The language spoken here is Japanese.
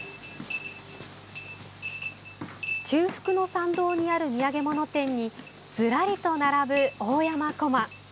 中腹の参道にある土産物店にずらりと並ぶ大山こま。